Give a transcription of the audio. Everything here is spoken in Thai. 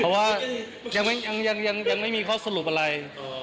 เพราะว่ายังไม่มีข้อสรุปอะไร